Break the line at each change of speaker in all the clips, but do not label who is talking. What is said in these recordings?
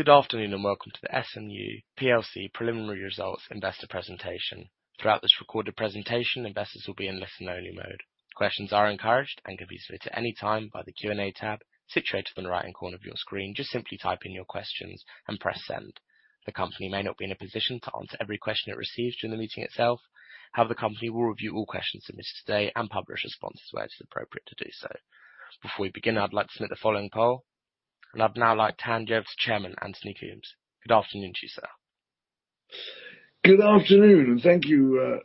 Good afternoon, and welcome to the S&U plc preliminary results investor presentation. Throughout this recorded presentation, investors will be in listen-only mode. Questions are encouraged and can be submitted at any time by the Q&A tab situated on the right-hand corner of your screen. Just simply type in your questions and press send. The company may not be in a position to answer every question it receives during the meeting itself. However, the company will review all questions submitted today and publish responses where it is appropriate to do so. Before we begin, I'd like to submit the following poll, and I'd now like to hand you over to Chairman Anthony Coombs. Good afternoon to you, sir.
Good afternoon. Thank you,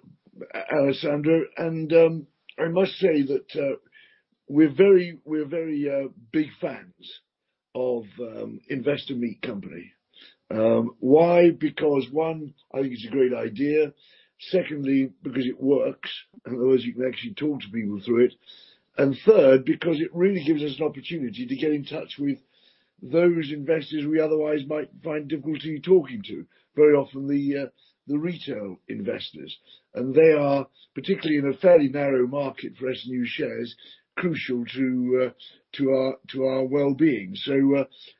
Alessandro. I must say that we're very big fans of Investor Meet Company. Why? Because, one, I think it's a great idea. Secondly, because it works. In other words, you can actually talk to people through it. Third, because it really gives us an opportunity to get in touch with those investors we otherwise might find difficulty talking to, very often the retail investors, and they are particularly in a fairly narrow market for S&U shares, crucial to our well-being.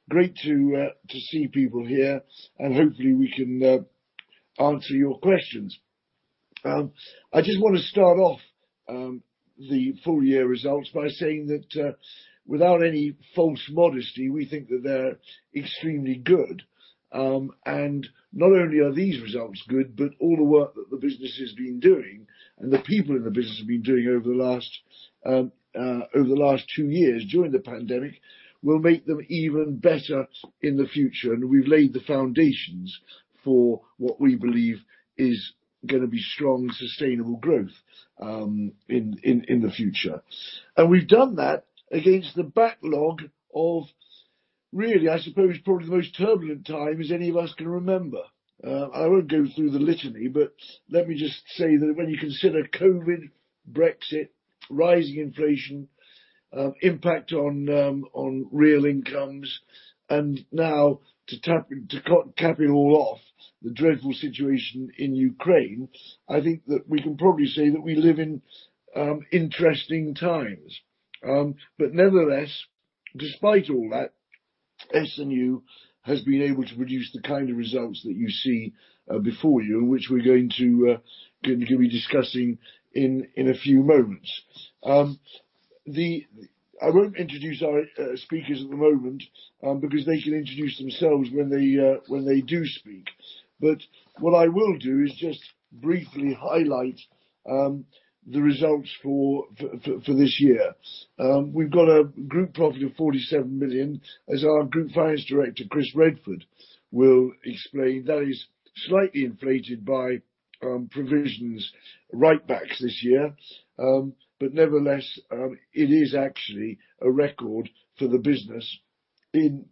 Great to see people here, and hopefully we can answer your questions. I just wanna start off the full year results by saying that, without any false modesty, we think that they're extremely good. Not only are these results good, but all the work that the business has been doing and the people in the business have been doing over the last two years during the pandemic will make them even better in the future. We've laid the foundations for what we believe is gonna be strong, sustainable growth in the future. We've done that against the backdrop of really, I suppose, probably the most turbulent time as any of us can remember. I won't go through the litany, but let me just say that when you consider COVID, Brexit, rising inflation, impact on real incomes, and now to cap it all off, the dreadful situation in Ukraine, I think that we can probably say that we live in interesting times. Nevertheless, despite all that, S&U has been able to produce the kind of results that you see before you, which we're going to be discussing in a few moments. I won't introduce our speakers at the moment because they can introduce themselves when they do speak. What I will do is just briefly highlight the results for this year. We've got a group profit of 47 million, as our Group Finance Director, Chris Redford, will explain. That is slightly inflated by provisions write-backs this year. Nevertheless, it is actually a record for the business in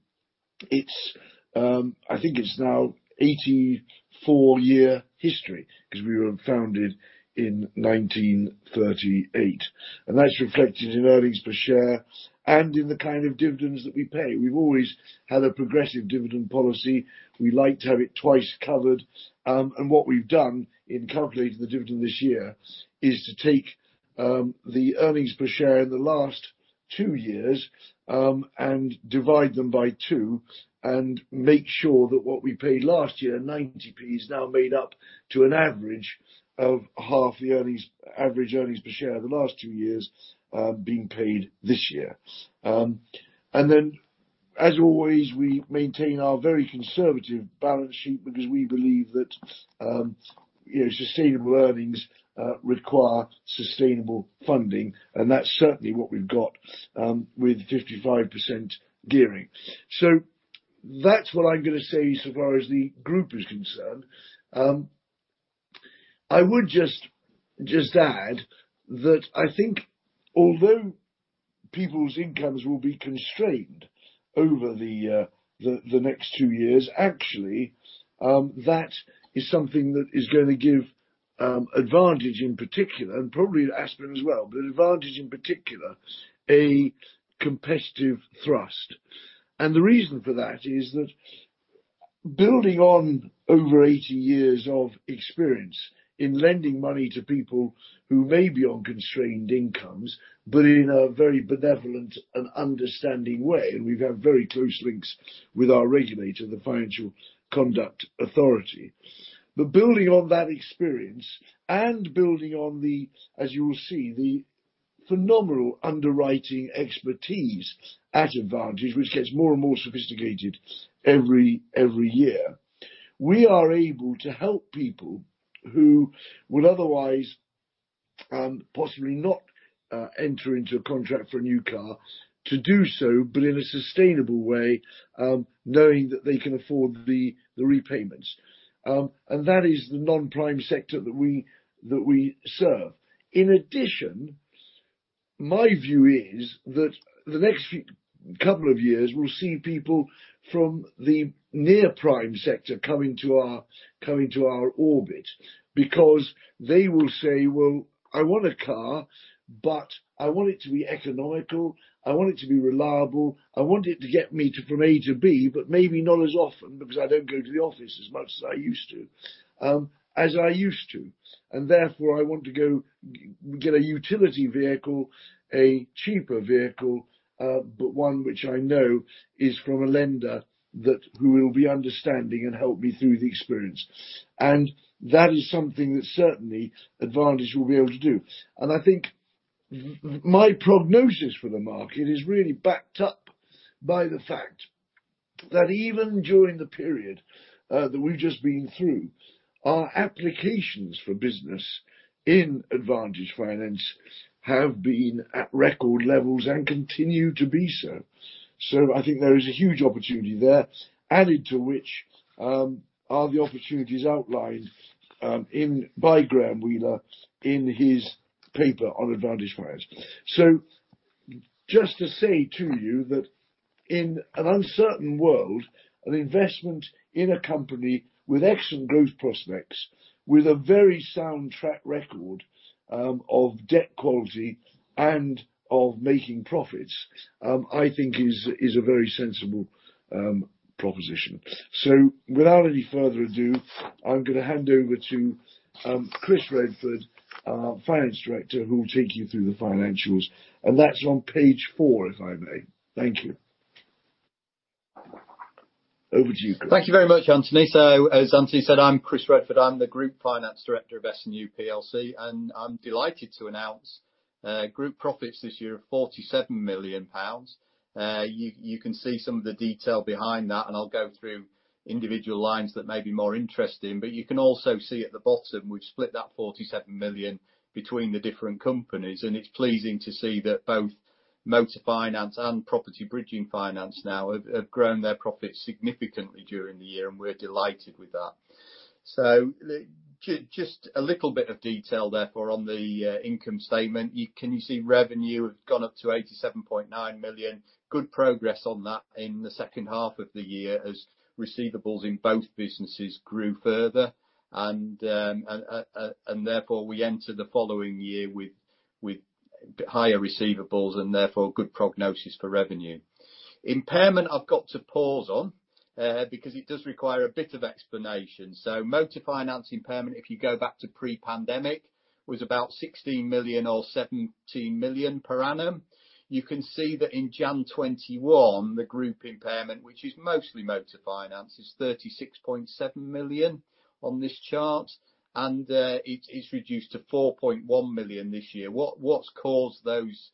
its, I think it's now 84-year history, 'cause we were founded in 1938. That's reflected in earnings per share and in the kind of dividends that we pay. We've always had a progressive dividend policy. We like to have it twice covered. What we've done in calculating the dividend this year is to take the earnings per share in the last two years and divide them by two and make sure that what we paid last year, 0.90, is now made up to an average of half the earnings, average earnings per share the last two years, being paid this year. As always, we maintain our very conservative balance sheet because we believe that, you know, sustainable earnings require sustainable funding, and that's certainly what we've got with 55% gearing. That's what I'm gonna say so far as the group is concerned. I would just add that I think although people's incomes will be constrained over the next two years, actually, that is something that is gonna give Advantage in particular, and probably Aspen as well, but Advantage in particular, a competitive thrust. The reason for that is that building on over 80 years of experience in lending money to people who may be on constrained incomes, but in a very benevolent and understanding way, and we've had very close links with our regulator, the Financial Conduct Authority. Building on that experience and building on the, as you will see, the phenomenal underwriting expertise at Advantage, which gets more and more sophisticated every year, we are able to help people who would otherwise possibly not enter into a contract for a new car to do so, but in a sustainable way, knowing that they can afford the repayments. That is the non-prime sector that we serve. In addition, my view is that the next few couple of years, we'll see people from the near-prime sector come into our orbit because they will say, "Well, I want a car. But I want it to be economical, I want it to be reliable, I want it to get me from A to B, but maybe not as often because I don't go to the office as much as I used to. And therefore I want to get a utility vehicle, a cheaper vehicle, but one which I know is from a lender that who will be understanding and help me through the experience." And that is something that certainly Advantage will be able to do. I think my prognosis for the market is really backed up by the fact that even during the period that we've just been through, our applications for business in Advantage Finance have been at record levels and continue to be so. I think there is a huge opportunity there, added to which are the opportunities outlined by Graham Wheeler in his paper on Advantage Finance. Just to say to you that in an uncertain world, an investment in a company with excellent growth prospects, with a very sound track record of debt quality and of making profits, I think is a very sensible proposition. Without any further ado, I'm gonna hand over to Chris Redford, our Finance Director, who will take you through the financials, and that's on page four, if I may. Thank you. Over to you, Chris.
Thank you very much, Anthony. As Anthony said, I'm Chris Redford. I'm the group finance director of S&U plc, and I'm delighted to announce group profits this year of 47 million pounds. You can see some of the detail behind that, and I'll go through individual lines that may be more interesting. You can also see at the bottom, we've split that 47 million between the different companies, and it's pleasing to see that both Motor Finance and Property Bridging finance now have grown their profits significantly during the year, and we're delighted with that. Just a little bit of detail therefore on the income statement. You can see revenue has gone up to 87.9 million. Good progress on that in the second half of the year as receivables in both businesses grew further and therefore we enter the following year with higher receivables and therefore good prognosis for revenue. Impairment, I've got to pause on because it does require a bit of explanation. Motor finance impairment, if you go back to pre-pandemic, was about 16 million or 17 million per annum. You can see that in January 2021, the group impairment, which is mostly Motor Finance, is 36.7 million on this chart, and it is reduced to 4.1 million this year. What's caused those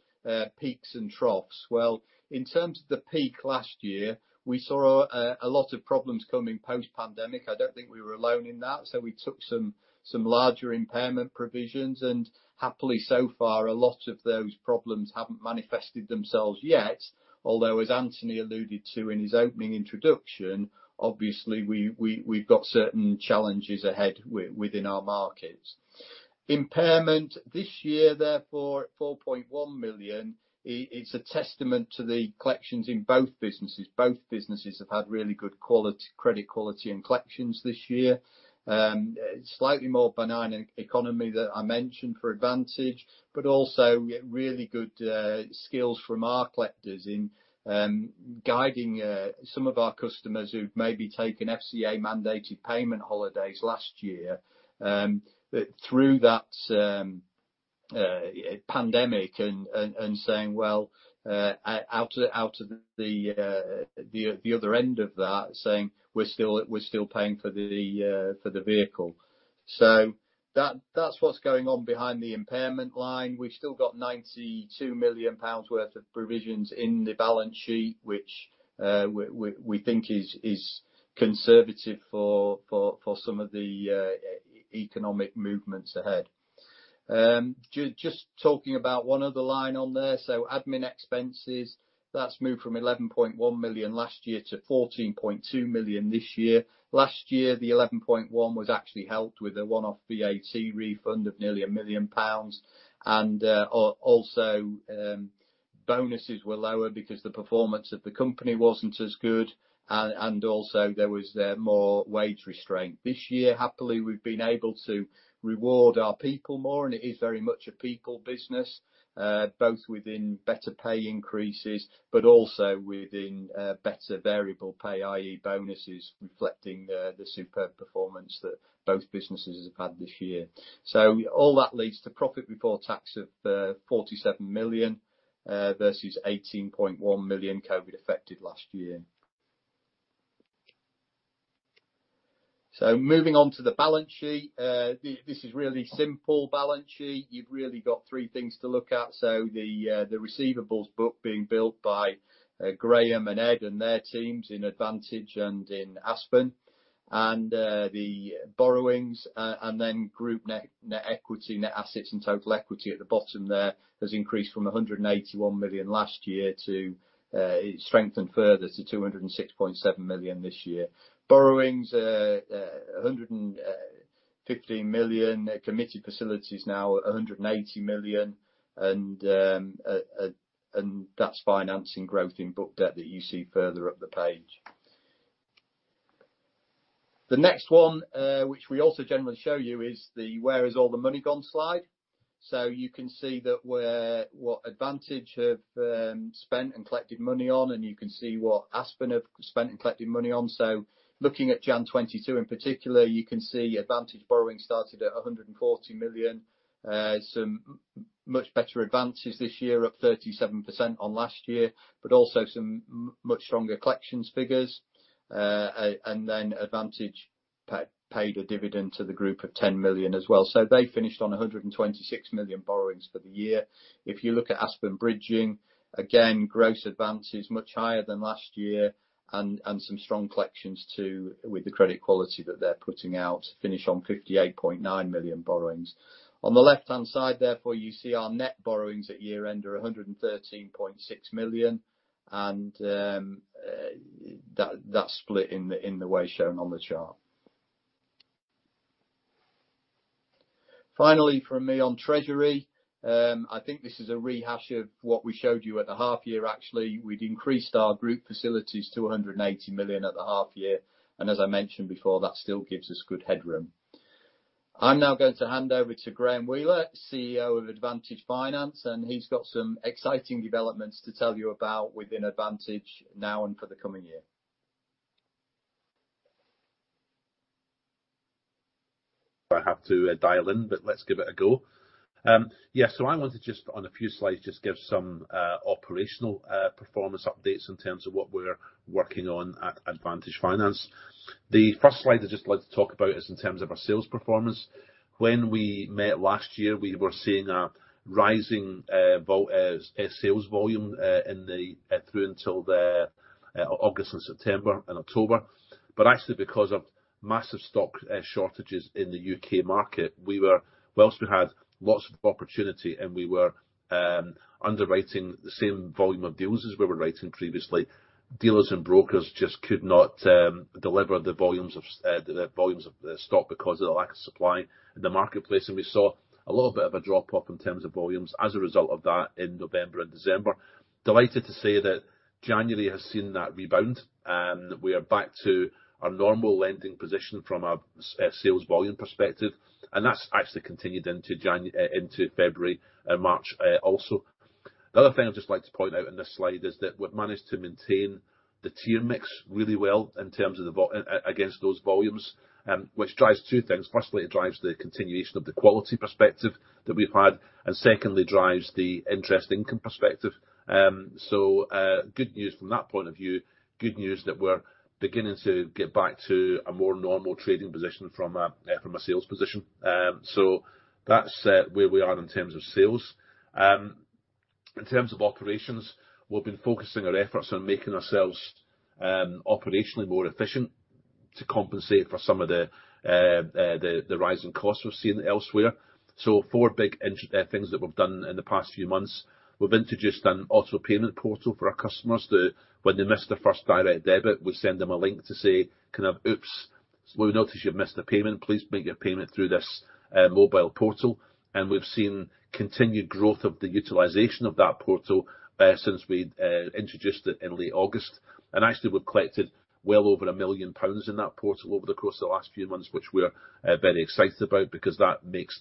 peaks and troughs? Well, in terms of the peak last year, we saw a lot of problems coming post-pandemic. I don't think we were alone in that. We took some larger impairment provisions, and happily so far, a lot of those problems haven't manifested themselves yet. Although, as Anthony alluded to in his opening introduction, obviously we've got certain challenges ahead within our markets. Impairment this year, therefore, at 4.1 million, it's a testament to the collections in both businesses. Both businesses have had really good quality credit quality and collections this year. Slightly more benign economy that I mentioned for Advantage, but also really good skills from our collectors in guiding some of our customers who've maybe taken FCA-mandated payment holidays last year through that pandemic and saying, well, out of the other end of that, saying, "We're still paying for the vehicle." That's what's going on behind the impairment line. We've still got 92 million pounds worth of provisions in the balance sheet, which we think is conservative for some of the economic movements ahead. Just talking about one other line on there. Admin expenses, that's moved from 11.1 million last year to 14.2 million this year. Last year, the 11.1 was actually helped with a one-off VAT refund of nearly 1 million pounds. Also, bonuses were lower because the performance of the company wasn't as good, and also there was more wage restraint. This year, happily, we've been able to reward our people more, and it is very much a people business, both within better pay increases, but also within better variable pay, i.e. bonuses reflecting the superb performance that both businesses have had this year. All that leads to profit before tax of 47 million versus 18.1 million COVID affected last year. Moving on to the balance sheet. This is really simple balance sheet. You've really got three things to look at. The receivables book being built by Graham and Ed and their teams in Advantage and in Aspen, the borrowings, and then group net equity, net assets and total equity at the bottom there has increased from 181 million last year to it strengthened further to 206.7 million this year. Borrowings 150 million. Committed facilities now 180 million and that's financing growth in book debt that you see further up the page. The next one, which we also generally show you is the where has all the money gone slide. You can see that what Advantage have spent and collected money on, and you can see what Aspen have spent and collected money on. Looking at January 2022 in particular, you can see Advantage borrowing started at 140 million. Some much better advances this year, up 37% on last year, but also some much stronger collections figures. Advantage paid a dividend to the group of 10 million as well. They finished on 126 million borrowings for the year. If you look at Aspen Bridging, again, gross advance is much higher than last year and some strong collections too, with the credit quality that they're putting out, finish on 58.9 million borrowings. On the left-hand side, therefore, you see our net borrowings at year-end are 113.6 million, and that's split in the way shown on the chart. Finally from me on treasury, I think this is a rehash of what we showed you at the half year, actually. We'd increased our group facilities to 180 million at the half year, and as I mentioned before, that still gives us good headroom. I'm now going to hand over to Graham Wheeler, CEO of Advantage Finance, and he's got some exciting developments to tell you about within Advantage now and for the coming year.
I have to dial in, but let's give it a go. I want to just on a few slides, just give some operational performance updates in terms of what we're working on at Advantage Finance. The first slide I'd just like to talk about is in terms of our sales performance. When we met last year, we were seeing a rising sales volume through until the August and September and October. Actually because of massive stock shortages in the U.K. market, whilst we had lots of opportunity and we were underwriting the same volume of deals as we were writing previously, dealers and brokers just could not deliver the volumes of the stock because of the lack of supply in the marketplace. We saw a little bit of a drop off in terms of volumes as a result of that in November and December. Delighted to say that January has seen that rebound, and we are back to our normal lending position from a sales volume perspective, and that's actually continued into February and March, also. The other thing I'd just like to point out in this slide is that we've managed to maintain the tier mix really well in terms of the volume against those volumes, which drives two things. Firstly, it drives the continuation of the quality perspective that we've had, and secondly, drives the interest income perspective. Good news from that point of view. Good news that we're beginning to get back to a more normal trading position from a sales position. That's where we are in terms of sales. In terms of operations, we've been focusing our efforts on making ourselves operationally more efficient to compensate for some of the rise in costs we've seen elsewhere. Four big things that we've done in the past few months, we've introduced an auto payment portal for our customers to, when they miss their first direct debit, we send them a link to say, kind of, "Oops, we've noticed you've missed a payment. Please make your payment through this mobile portal." We've seen continued growth of the utilization of that portal since we'd introduced it in late August. Actually, we've collected well over 1 million pounds in that portal over the course of the last few months, which we're very excited about because that means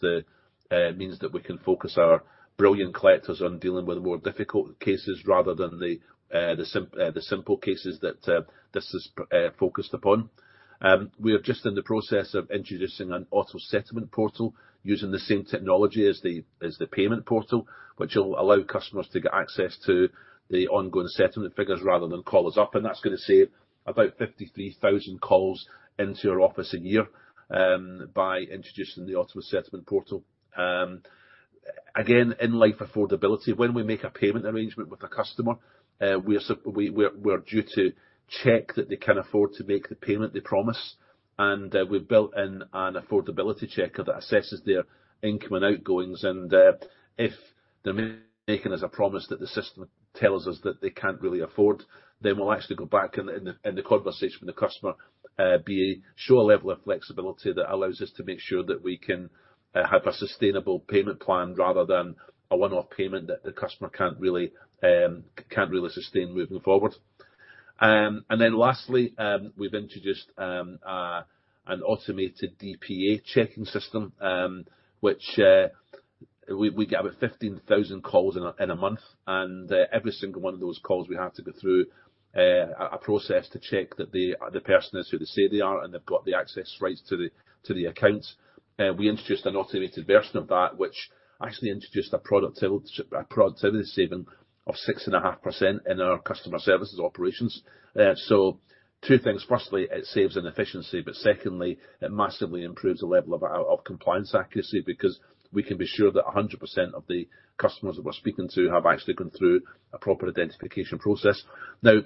that we can focus our brilliant collectors on dealing with the more difficult cases rather than the simple cases that this is focused upon. We are just in the process of introducing an auto settlement portal using the same technology as the payment portal, which will allow customers to get access to the ongoing settlement figures rather than call us up. That's gonna save about 53,000 calls into our office a year by introducing the auto settlement portal. Again, in light of affordability, when we make a payment arrangement with a customer, we're due to check that they can afford to make the payment they promise. We've built in an affordability checker that assesses their income and outgoings, and if they're making us a promise that the system tells us that they can't really afford, then we'll actually go back in the conversation with the customer, show a level of flexibility that allows us to make sure that we can have a sustainable payment plan rather than a one-off payment that the customer can't really sustain moving forward. We've introduced an automated DPA checking system, which we get about 15,000 calls in a month, and every single one of those calls, we have to go through a process to check that the person is who they say they are and they've got the access rights to the account. We introduced an automated version of that which actually introduced a productivity saving of 6.5% in our customer services operations. Two things. Firstly, it saves in efficiency, but secondly, it massively improves the level of compliance accuracy because we can be sure that 100% of the customers that we're speaking to have actually gone through a proper identification process. Now,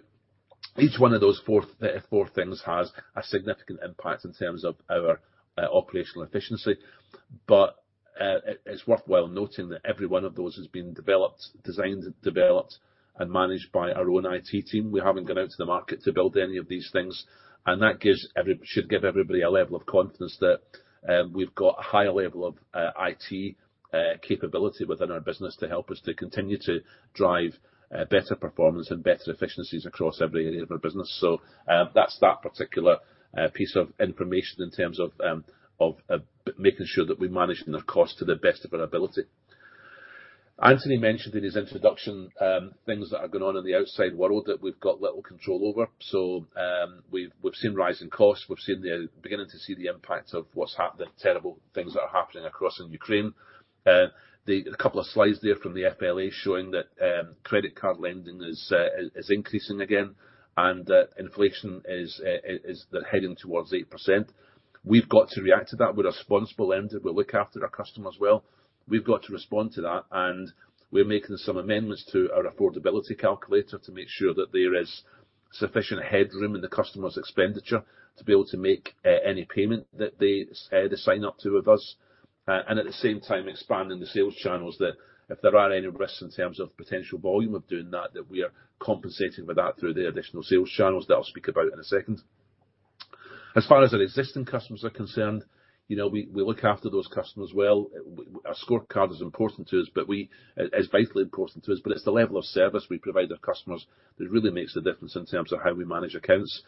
each one of those four things has a significant impact in terms of our operational efficiency. It's worthwhile noting that every one of those has been developed, designed, and managed by our own IT team. We haven't gone out to the market to build any of these things, and that should give everybody a level of confidence that we've got a high level of IT capability within our business to help us to continue to drive better performance and better efficiencies across every area of our business. That's that particular piece of information in terms of making sure that we're managing our cost to the best of our ability. Anthony mentioned in his introduction things that are going on in the outside world that we've got little control over. We've seen rising costs. We've seen beginning to see the impact of what's happened, terrible things that are happening across in Ukraine. A couple of slides there from the FLA showing that credit card lending is increasing again, and that inflation is heading towards 8%. We've got to react to that. We're a responsible lender. We look after our customers well. We've got to respond to that, and we're making some amendments to our affordability calculator to make sure that there is sufficient headroom in the customer's expenditure to be able to make any payment that they sign up to with us. At the same time expanding the sales channels, that if there are any risks in terms of potential volume of doing that we are compensating for that through the additional sales channels that I'll speak about in a second. As far as our existing customers are concerned, you know, we look after those customers well. Our scorecard is important to us, but is vitally important to us, but it's the level of service we provide our customers that really makes a difference in terms of how we manage accounts.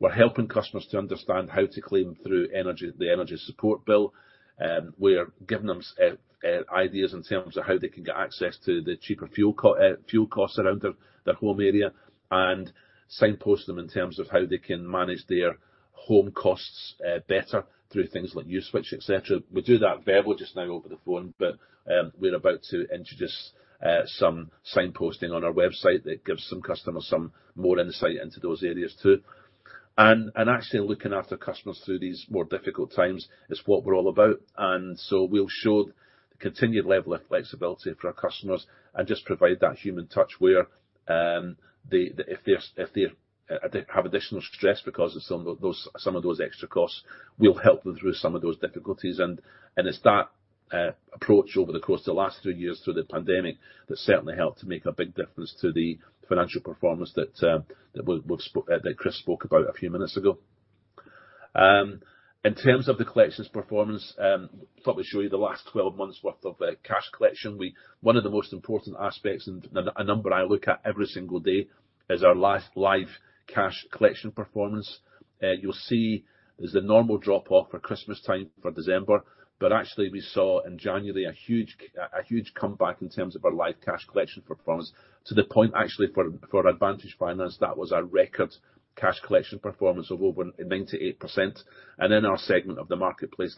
We're helping customers to understand how to claim through the energy support bill. We're giving them ideas in terms of how they can get access to the cheaper fuel costs around their home area and signpost them in terms of how they can manage their home costs better through things like Uswitch, et cetera. We do that verbally just now over the phone, but we're about to introduce some signposting on our website that gives some customers some more insight into those areas too. Actually looking after customers through these more difficult times is what we're all about. We'll show the continued level of flexibility for our customers and just provide that human touch where if they have additional stress because of some of those extra costs, we'll help them through some of those difficulties. It's that approach over the course of the last two years through the pandemic that certainly helped to make a big difference to the financial performance that Chris spoke about a few minutes ago. In terms of the collections performance, thought we'd show you the last 12 months worth of cash collection. One of the most important aspects and a number I look at every single day is our last live cash collection performance. You'll see there's a normal drop off for Christmas time for December, but actually we saw in January a huge comeback in terms of our live cash collection performance to the point actually for Advantage Finance, that was our record cash collection performance of over 98%. In our segment of the marketplace,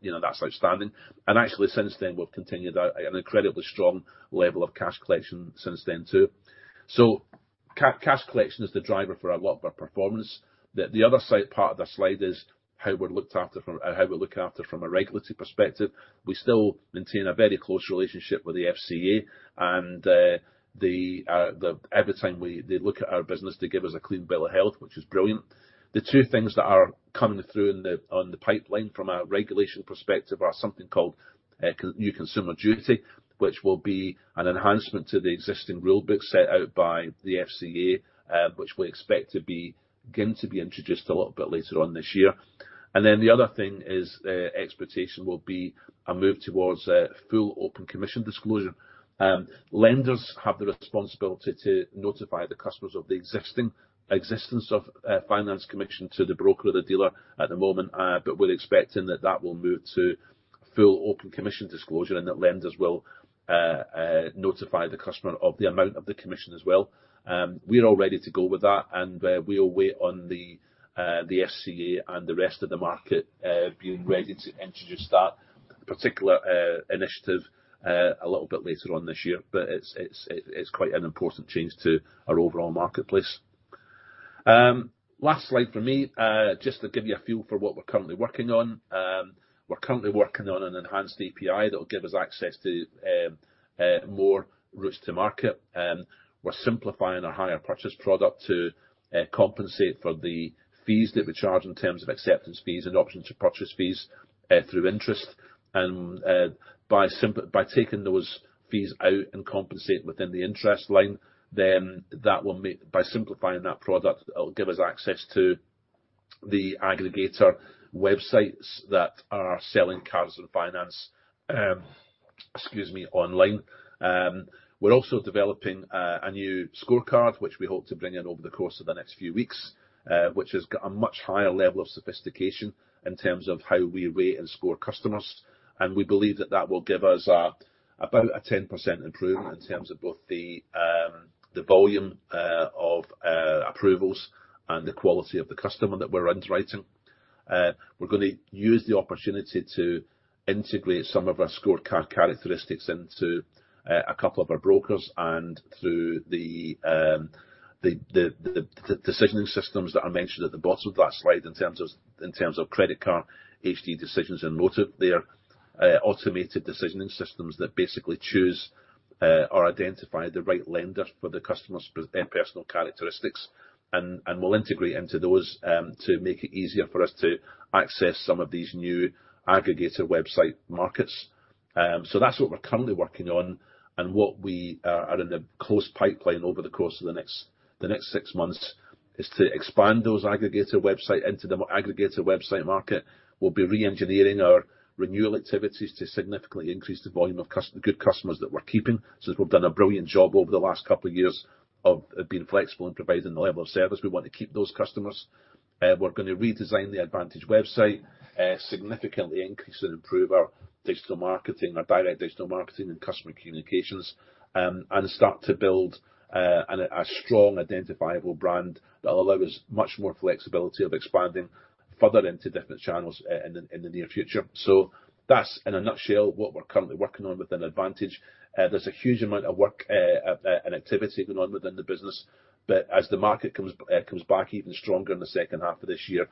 you know, that's outstanding. Actually, since then, we've continued at an incredibly strong level of cash collection since then, too. Cash collection is the driver for a lot of our performance. The other side, part of the slide is how we're looked after from a regulatory perspective. We still maintain a very close relationship with the FCA and every time they look at our business they give us a clean bill of health, which is brilliant. The two things that are coming through in the pipeline from a regulation perspective are something called new Consumer Duty, which will be an enhancement to the existing rule book set out by the FCA, which we expect to begin to be introduced a little bit later on this year. The other thing is expectation will be a move towards full open commission disclosure. Lenders have the responsibility to notify the customers of the existence of finance commission to the broker or the dealer at the moment, but we're expecting that will move to full open commission disclosure and that lenders will notify the customer of the amount of the commission as well. We're all ready to go with that, and we'll wait on the FCA and the rest of the market being ready to introduce that particular initiative a little bit later on this year. It's quite an important change to our overall marketplace. Last slide for me, just to give you a feel for what we're currently working on. We're currently working on an enhanced API that will give us access to more routes to market. We're simplifying our hire purchase product to compensate for the fees that we charge in terms of acceptance fees and options to purchase fees through interest. By taking those fees out and compensate within the interest line, then that will make, by simplifying that product, it'll give us access to the aggregator websites that are selling cars and finance online. We're also developing a new scorecard, which we hope to bring in over the course of the next few weeks, which has got a much higher level of sophistication in terms of how we rate and score customers. We believe that that will give us about a 10% improvement in terms of both the volume of approvals and the quality of the customer that we're underwriting. We're gonna use the opportunity to integrate some of our scorecard characteristics into a couple of our brokers and through the decisioning systems that are mentioned at the bottom of that slide in terms of Codeweavers, iDecisions and MotoNovo there. Automated decisioning systems that basically choose or identify the right lender for the customer's personal characteristics. We'll integrate into those to make it easier for us to access some of these new aggregator website markets. That's what we're currently working on and what we are in the close pipeline over the course of the next six months is to expand those aggregator website into the aggregator website market. We'll be re-engineering our renewal activities to significantly increase the volume of good customers that we're keeping. We've done a brilliant job over the last couple of years of being flexible and providing the level of service. We want to keep those customers. We're gonna redesign the Advantage website, significantly increase and improve our digital marketing, our direct digital marketing and customer communications, and start to build a strong identifiable brand that'll allow us much more flexibility of expanding further into different channels in the near future. That's in a nutshell, what we're currently working on within Advantage. There's a huge amount of work and activity going on within the business. As the market comes back even stronger in the second half of this year,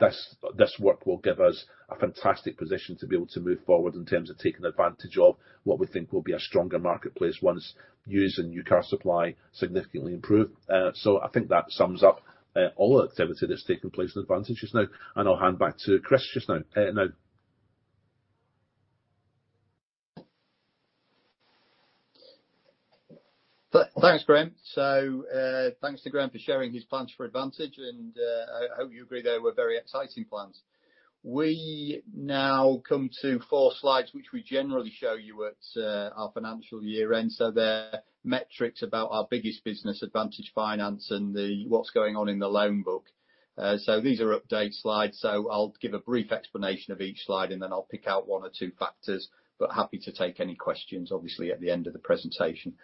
this work will give us a fantastic position to be able to move forward in terms of taking advantage of what we think will be a stronger marketplace once used and new car supply significantly improve. I think that sums up all the activity that's taking place in Advantage just now. I'll hand back to Chris just now.
Thanks, Graham. Thanks to Graham for sharing his plans for Advantage, and I hope you agree, they were very exciting plans. We now come to four slides, which we generally show you at our financial year-end. They're metrics about our biggest business, Advantage Finance, and what's going on in the loan book. These are update slides, so I'll give a brief explanation of each slide, and then I'll pick out one or two factors. Happy to take any questions, obviously, at the end of the presentation.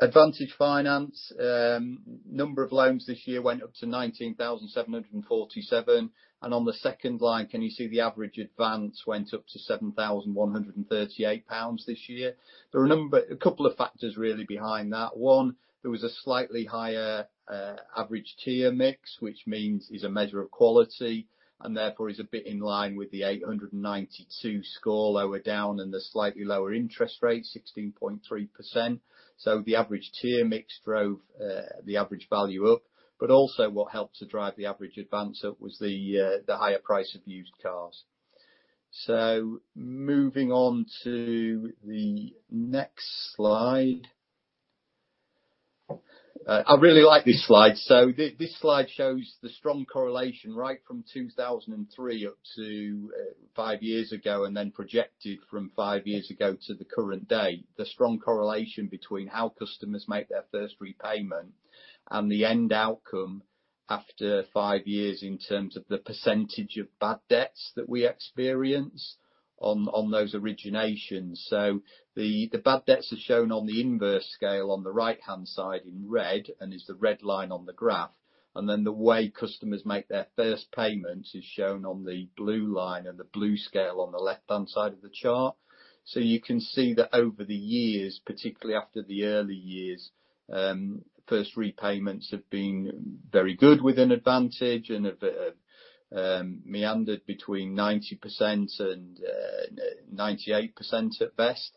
Advantage Finance, number of loans this year went up to 19,747. On the second line, can you see the average advance went up to 7,138 pounds this year? There are a couple of factors really behind that. One, there was a slightly higher average tier mix, which means is a measure of quality, and therefore is a bit in line with the 892 score lower down and the slightly lower interest rate, 16.3%. The average tier mix drove the average value up. Also what helped to drive the average advance up was the higher price of used cars. Moving on to the next slide. I really like this slide. This slide shows the strong correlation right from 2003 up to five years ago, and then projected from five years ago to the current day, the strong correlation between how customers make their first repayment and the end outcome after five years in terms of the percentage of bad debts that we experience on those originations. The bad debts are shown on the inverse scale on the right-hand side in red and is the red line on the graph. Then the way customers make their first payment is shown on the blue line and the blue scale on the left-hand side of the chart. You can see that over the years, particularly after the early years, first repayments have been very good with Advantage and have meandered between 90% and 98% at best.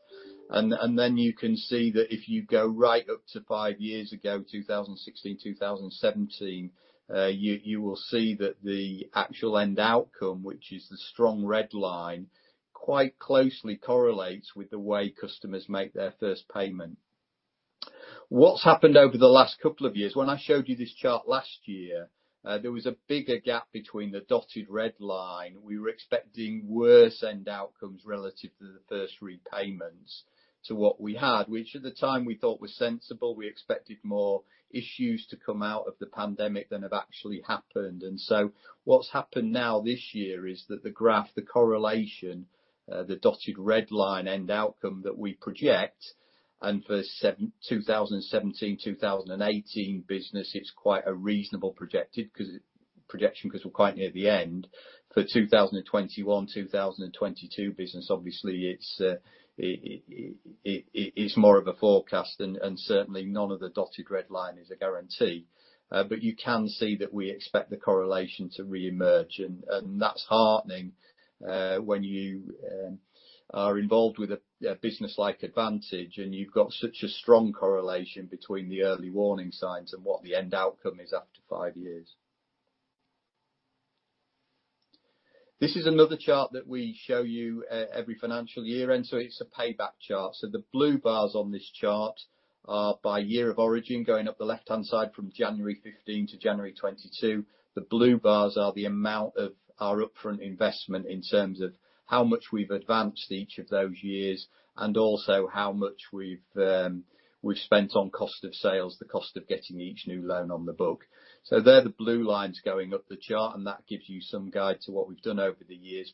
Then you can see that if you go right up to five years ago, 2016, 2017, you will see that the actual end outcome, which is the strong red line, quite closely correlates with the way customers make their first payment. What's happened over the last couple of years, when I showed you this chart last year, there was a bigger gap between the dotted red line. We were expecting worse end outcomes relative to the first repayments to what we had, which at the time we thought was sensible. We expected more issues to come out of the pandemic than have actually happened. What's happened now this year is that the graph, the correlation, the dotted red line end outcome that we project, and for 2017, 2018 business, it's quite a reasonable projection, 'cause we're quite near the end. For 2021, 2022 business, obviously, it's more of a forecast and certainly none of the dotted red line is a guarantee. You can see that we expect the correlation to reemerge and that's heartening when you are involved with a business like Advantage, and you've got such a strong correlation between the early warning signs and what the end outcome is after five years. This is another chart that we show you every financial year, and it's a payback chart. The blue bars on this chart are by year of origin, going up the left-hand side from January 2015 to January 2022. The blue bars are the amount of our upfront investment in terms of how much we've advanced each of those years and also how much we've spent on cost of sales, the cost of getting each new loan on the book. They're the blue lines going up the chart, and that gives you some guide to what we've done over the years.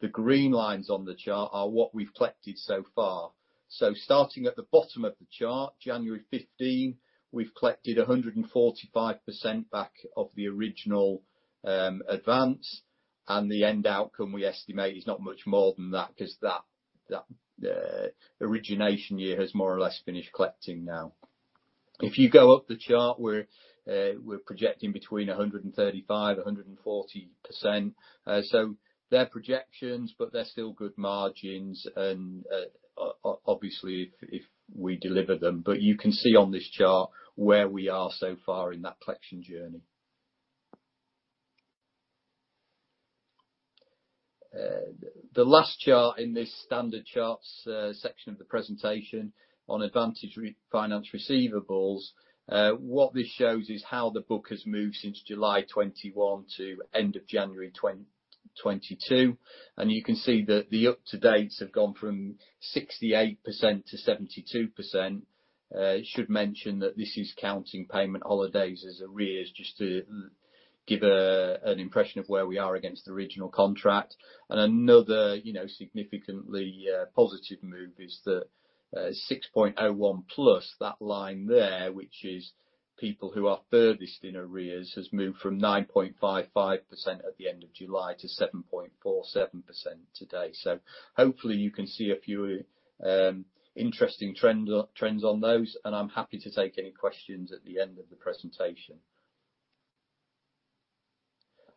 The green lines on the chart are what we've collected so far. Starting at the bottom of the chart, January 15, we've collected 145% back of the original advance, and the end outcome we estimate is not much more than that because that origination year has more or less finished collecting now. If you go up the chart, we're projecting between 135%-140%. They're projections, but they're still good margins and, obviously if we deliver them. You can see on this chart where we are so far in that collection journey. The last chart in this standard charts section of the presentation on Advantage refinance receivables, what this shows is how the book has moved since July 2021 to end of January 2022. You can see that the up to dates have gone from 68% to 72%. Should mention that this is counting payment holidays as arrears, just to give an impression of where we are against the original contract. Another, you know, significantly positive move is that, 6.01+, that line there, which is people who are furthest in arrears, has moved from 9.55% at the end of July to 7.47% today. Hopefully you can see a few interesting trends on those, and I'm happy to take any questions at the end of the presentation.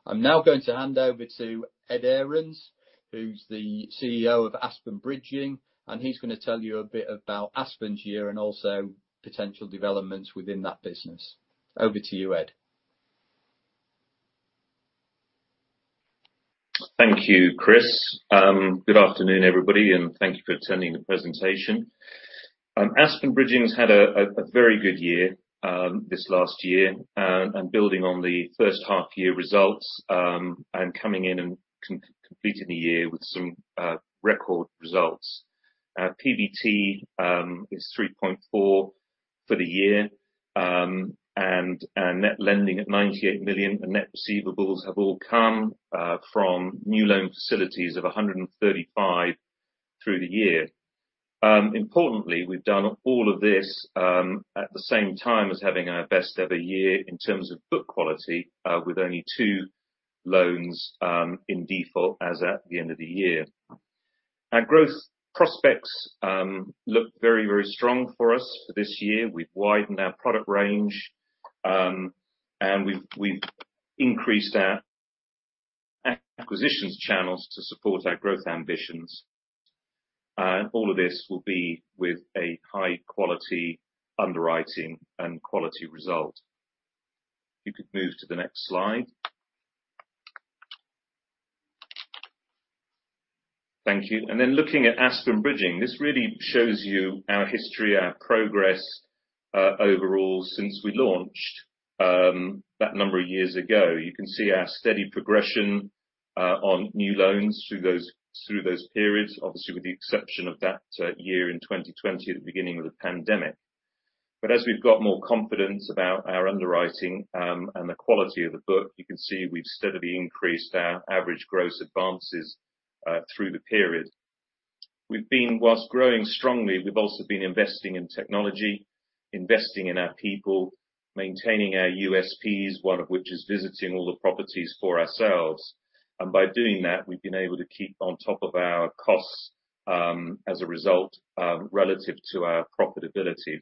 I'm now going to hand over to Ed Ahrens, who's the CEO of Aspen Bridging, and he's gonna tell you a bit about Aspen's year and also potential developments within that business. Over to you, Ed.
Thank you, Chris. Good afternoon, everybody, and thank you for attending the presentation. Aspen Bridging has had a very good year this last year and building on the first half year results and completing the year with some record results. PBT is 3.4 million for the year and net lending at 98 million, and net receivables have all come from new loan facilities of 135 million through the year. Importantly, we've done all of this at the same time as having our best ever year in terms of book quality with only two loans in default as at the end of the year. Our growth prospects look very strong for us for this year. We've widened our product range, and we've increased our acquisitions channels to support our growth ambitions. All of this will be with a high quality underwriting and quality result. If you could move to the next slide. Thank you. Then looking at Aspen Bridging, this really shows you our history, our progress, overall since we launched, that number of years ago. You can see our steady progression on new loans through those periods, obviously with the exception of that year in 2020 at the beginning of the pandemic. As we've got more confidence about our underwriting, and the quality of the book, you can see we've steadily increased our average gross advances through the period. We've been, while growing strongly, we've also been investing in technology, investing in our people, maintaining our USPs, one of which is visiting all the properties for ourselves. By doing that, we've been able to keep on top of our costs, as a result, relative to our profitability.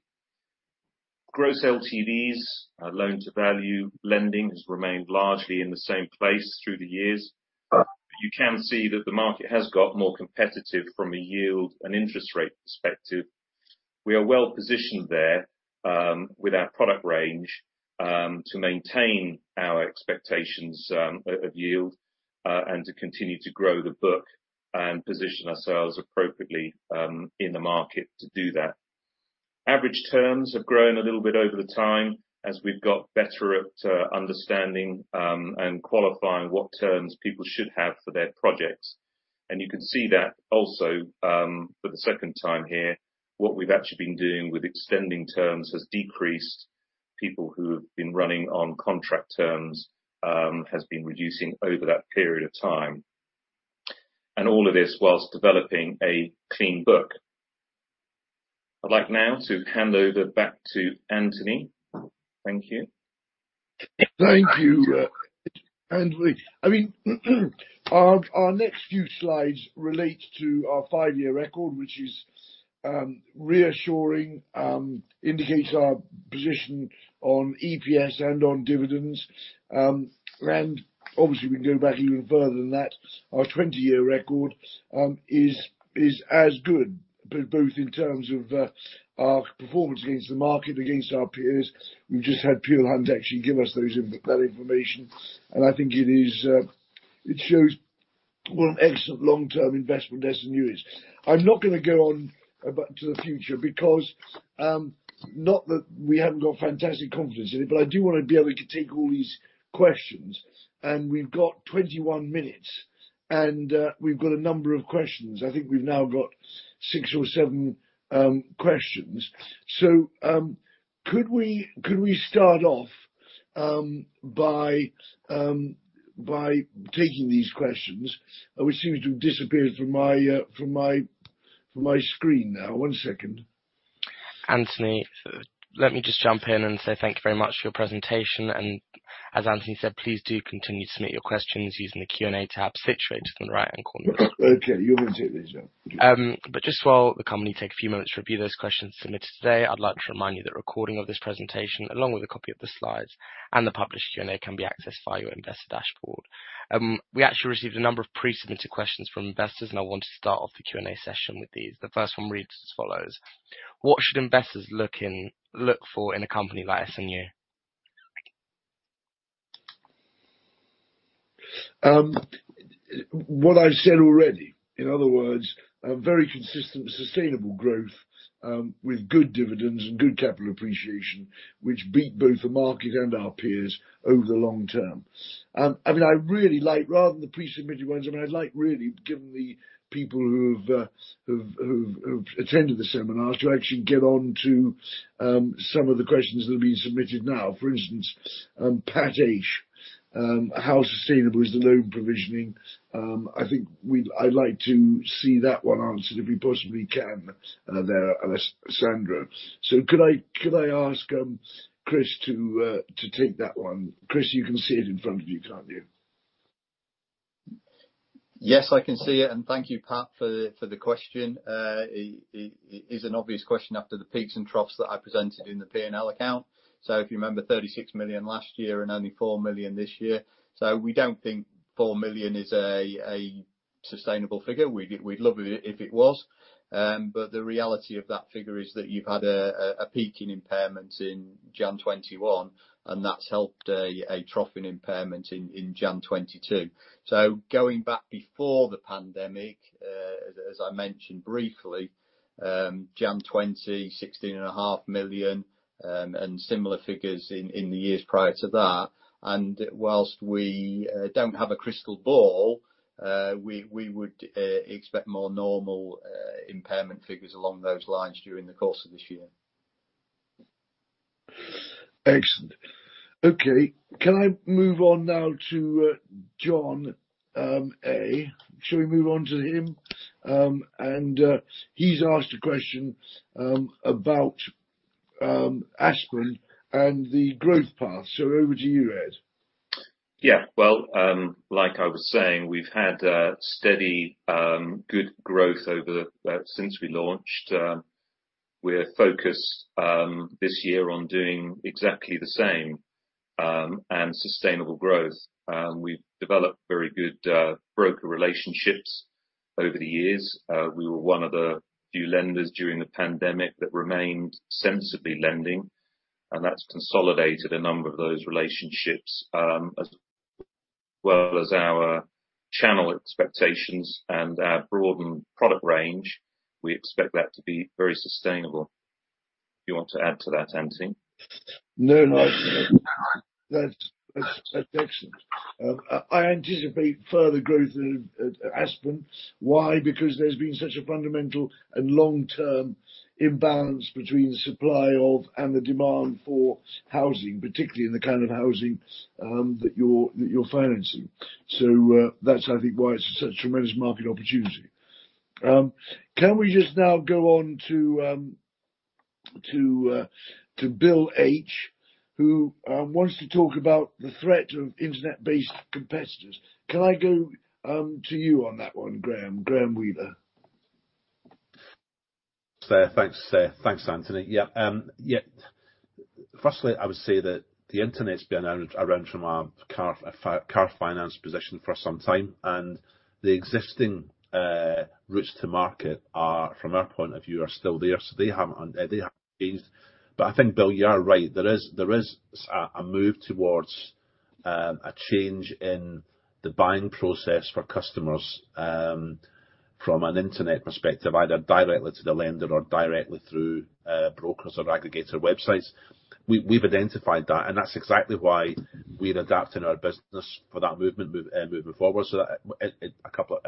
Gross LTVs, loan to value lending, has remained largely in the same place through the years. You can see that the market has got more competitive from a yield and interest rate perspective. We are well positioned there, with our product range, to maintain our expectations, of yield, and to continue to grow the book and position ourselves appropriately, in the market to do that. Average terms have grown a little bit over the time as we've got better at, understanding, and qualifying what terms people should have for their projects. You can see that also, for the second time here, what we've actually been doing with extending terms has decreased people who have been running on contract terms, has been reducing over that period of time. All of this while developing a clean book. I'd like now to hand over back to Anthony. Thank you.
Thank you. I mean, our next few slides relate to our five-year record, which is reassuring, indicates our position on EPS and on dividends. Obviously we can go back even further than that. Our 20-year record is as good both in terms of our performance against the market, against our peers. We've just had Peel Hunt actually give us that information, and I think it shows what an excellent long-term investment S&U is. I'm not gonna go on about the future because not that we haven't got fantastic confidence in it, but I do wanna be able to take all these questions, and we've got 21 minutes, and we've got a number of questions. I think we've now got six or seven questions. Could we start off by taking these questions? We seem to have disappeared from my screen now. One second.
Anthony, let me just jump in and say thank you very much for your presentation. As Anthony said, please do continue to submit your questions using the Q&A tab situated in the right-hand corner.
Okay, you're going to take these, yeah.
Just while the company take a few minutes to review those questions submitted today, I'd like to remind you that a recording of this presentation, along with a copy of the slides and the published Q&A, can be accessed via your investor dashboard. We actually received a number of pre-submitted questions from investors, and I want to start off the Q&A session with these. The first one reads as follows: What should investors look for in a company like S&U?
What I said already, in other words, a very consistent sustainable growth, with good dividends and good capital appreciation, which beat both the market and our peers over the long term. I mean, I really like rather than the pre-submitted ones, I mean, I'd like really given the people who've attended the seminar to actually get on to some of the questions that have been submitted now. For instance, Pat H, how sustainable is the loan provisioning? I'd like to see that one answered, if we possibly can, there, unless Sandra. Could I ask Chris to take that one? Chris, you can see it in front of you, can't you?
Yes, I can see it. Thank you, Pat, for the question. It is an obvious question after the peaks and troughs that I presented in the P&L account. If you remember, 36 million last year and only 4 million this year. We don't think 4 million is a sustainable figure. We'd love it if it was. But the reality of that figure is that you've had a peak in impairment in January 2021, and that's helped a trough in impairment in January 2022. Going back before the pandemic, as I mentioned briefly, January 2020, 16.5 million, and similar figures in the years prior to that. While we don't have a crystal ball, we would expect more normal impairment figures along those lines during the course of this year.
Excellent. Okay, can I move on now to John A? Shall we move on to him? He's asked a question about Aspen and the growth path. Over to you, Ed.
Yeah. Well, like I was saying, we've had steady, good growth over since we launched. We're focused this year on doing exactly the same, and sustainable growth. We've developed very good broker relationships over the years. We were one of the few lenders during the pandemic that remained sensibly lending, and that's consolidated a number of those relationships, as well as our channel expectations and our broadened product range. We expect that to be very sustainable. Do you want to add to that, Anthony?
No. That's excellent. I anticipate further growth in Aspen. Why? Because there's been such a fundamental and long-term imbalance between supply of and the demand for housing, particularly in the kind of housing that you're financing. That's I think why it's such a tremendous market opportunity. Can we just now go on to Bill H, who wants to talk about the threat of internet-based competitors? Can I go to you on that one, Graham Wheeler?
Sir, thanks, sir. Thanks, Anthony. Yeah, yeah. Firstly, I would say that the internet's been around from a car finance position for some time, and the existing routes to market are, from our point of view, still there. They haven't changed. I think, Bill, you are right. There is a move towards a change in the buying process for customers from an internet perspective, either directly to the lender or directly through brokers or aggregator websites. We've identified that, and that's exactly why we're adapting our business for that movement moving forward. That it.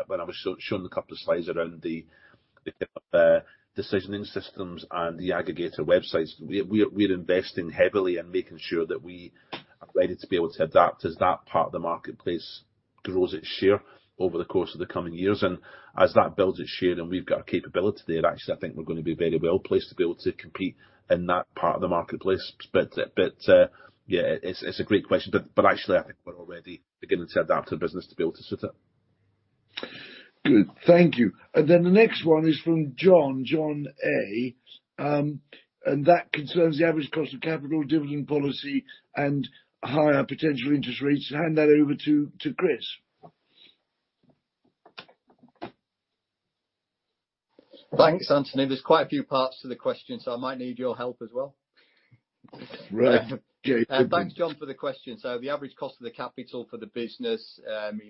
When I was showing the couple of slides around the decisioning systems and the aggregator websites, we're investing heavily in making sure that we are ready to be able to adapt as that part of the marketplace grows its share over the course of the coming years. As that builds its share and we've got a capability there, actually, I think we're gonna be very well placed to be able to compete in that part of the marketplace. Yeah, it's a great question. Actually, I think we're already beginning to adapt the business to be able to suit it.
Good. Thank you. Then the next one is from John A, and that concerns the average cost of capital, dividend policy, and higher potential interest rates. Hand that over to Chris.
Thanks, Anthony. There's quite a few parts to the question, so I might need your help as well.
Right.
Thanks, John, for the question. The average cost of the capital for the business,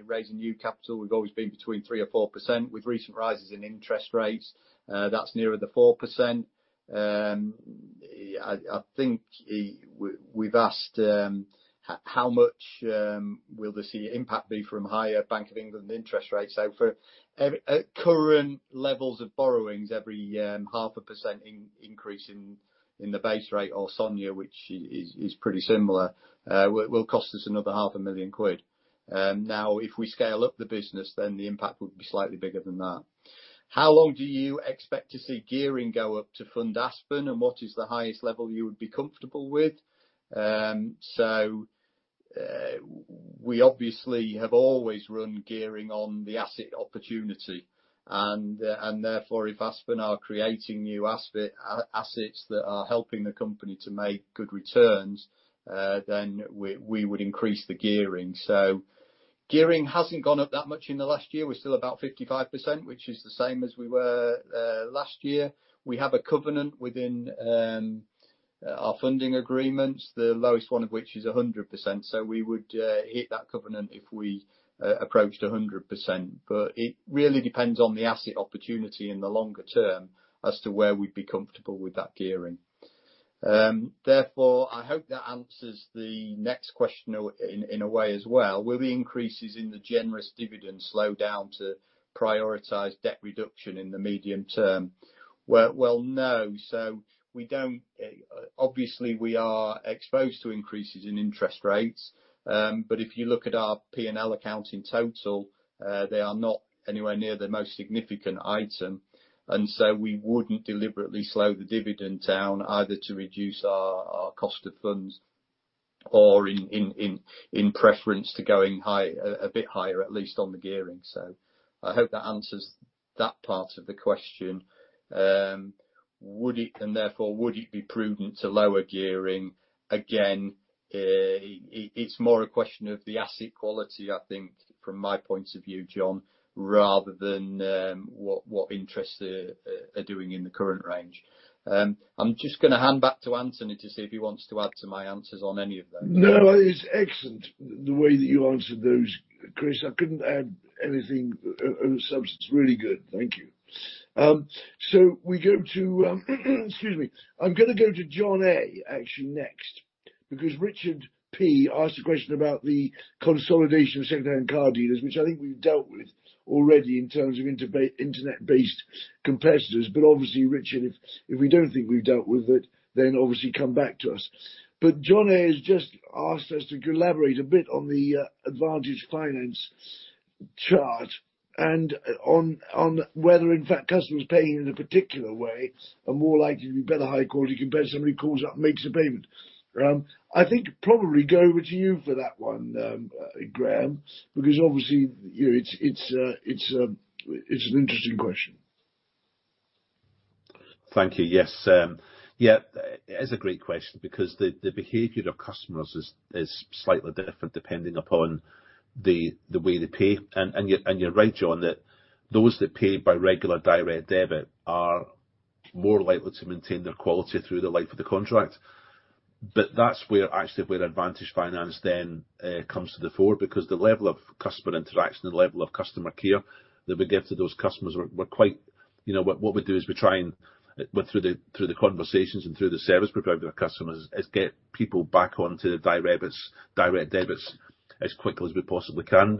raising new capital, we've always been between 3% or 4%. With recent rises in interest rates, that's nearer the 4%. I think we've asked how much will this impact be from higher Bank of England interest rates. For current levels of borrowings, every 0.5% increase in the base rate or SONIA, which is pretty similar, will cost us another 500,000 quid. Now, if we scale up the business, then the impact would be slightly bigger than that. How long do you expect to see gearing go up to fund Aspen, and what is the highest level you would be comfortable with? We obviously have always run gearing on the asset opportunity. Therefore, if Aspen are creating new assets that are helping the company to make good returns, then we would increase the gearing. Gearing hasn't gone up that much in the last year. We're still about 55%, which is the same as we were last year. We have a covenant within our funding agreements, the lowest one of which is 100%. We would hit that covenant if we approached 100%. It really depends on the asset opportunity in the longer term as to where we'd be comfortable with that gearing. Therefore, I hope that answers the next question in a way as well. Will the increases in the generous dividend slow down to prioritize debt reduction in the medium term? No. Obviously, we are exposed to increases in interest rates. But if you look at our P&L accounts in total, they are not anywhere near the most significant item. We wouldn't deliberately slow the dividend down either to reduce our cost of funds or in preference to going high, a bit higher, at least on the gearing. I hope that answers that part of the question. Would it be prudent to lower gearing? Again, it's more a question of the asset quality, I think, from my point of view, John, rather than what interest rates are doing in the current range. I'm just gonna hand back to Anthony to see if he wants to add to my answers on any of those.
No, it's excellent the way that you answered those, Chris. I couldn't add anything of substance. Really good. Thank you. So we go to, excuse me. I'm gonna go to John A, actually, next, because Richard P asked a question about the consolidation of second-hand car dealers, which I think we've dealt with already in terms of internet-based competitors. Obviously, Richard, if we don't think we've dealt with it, then obviously come back to us. John A has just asked us to elaborate a bit on the Advantage Finance chart and on whether in fact customers paying in a particular way are more likely to be better high quality compared to somebody who calls up and makes a payment. I think probably go over to you for that one, Graham, because obviously, you know, it's an interesting question.
Thank you. Yes, yeah. It is a great question because the behavior of customers is slightly different depending upon the way they pay. You're right, John A, that those that pay by regular direct debit are more likely to maintain their quality through the life of the contract. That's where actually Advantage Finance then comes to the fore, because the level of customer interaction, the level of customer care that we give to those customers are quite. You know what we do is we try and go through the conversations and through the service we provide to our customers is get people back onto the direct debits as quickly as we possibly can.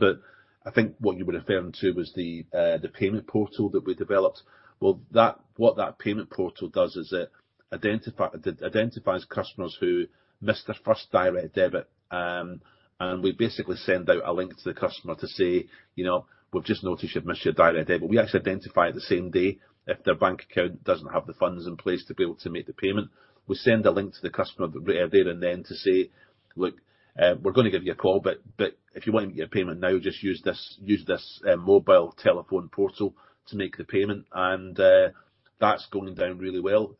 I think what you were referring to was the payment portal that we developed. What that payment portal does is it identifies customers who missed their first direct debit, and we basically send out a link to the customer to say, you know, "We've just noticed you've missed your direct debit." We actually identify it the same day if their bank account doesn't have the funds in place to be able to make the payment. We send a link to the customer right there and then to say, "Look, we're gonna give you a call, but if you wanna make your payment now, just use this mobile telephone portal to make the payment." That's going down really well.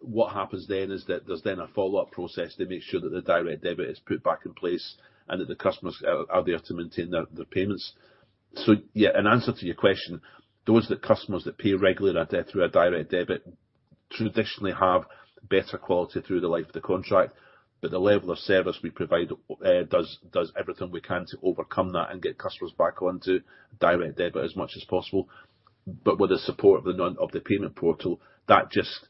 What happens then is that there's then a follow-up process to make sure that the direct debit is put back in place and that the customers are there to maintain their payments. Yeah, in answer to your question, those customers that pay regularly our debt through our direct debit traditionally have better quality through the life of the contract, but the level of service we provide does everything we can to overcome that and get customers back onto direct debit as much as possible. With the support of the non... -of the payment portal, that just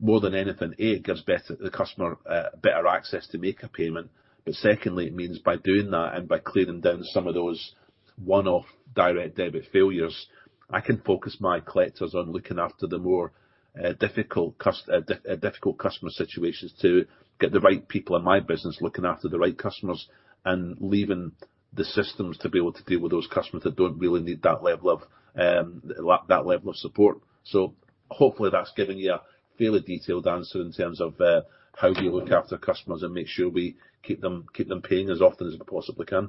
more than anything gives the customer better access to make a payment, but secondly, it means by doing that and by clearing down some of those one-off direct debit failures, I can focus my collectors on looking after the more difficult customer situations to get the right people in my business looking after the right customers and leaving the systems to be able to deal with those customers that don't really need that level of support. Hopefully that's given you a fairly detailed answer in terms of how we look after customers and make sure we keep them paying as often as we possibly can.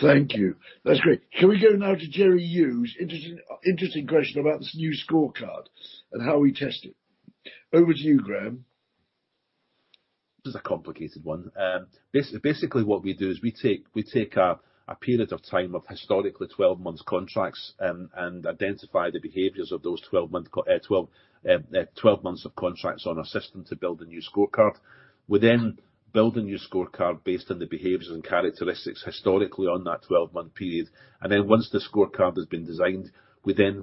Thank you. That's great. Can we go now to Jerry Hughes? Interesting question about this new scorecard and how we test it. Over to you, Graham.
This is a complicated one. Basically what we do is we take a period of time of historically 12 months contracts, and identify the behaviors of those 12-month contracts on our system to build a new scorecard. We then build a new scorecard based on the behaviors and characteristics historically on that 12-month period. Once the scorecard has been designed, we then